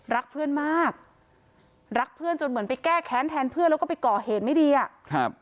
รักเพื่อนมากรักเพื่อนจนเหมือนไปแก้แค้นแทนเพื่อนแล้วก็ไปก่อเหตุไม่ดีอ่ะครับ